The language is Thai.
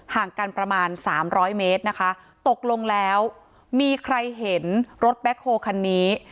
ห่างกันประมาณสามร้อยเมตรนะคะตกลงแล้วมีใครเห็นรถแบ็คโฮคันนี้